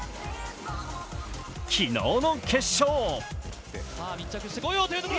昨日の決勝。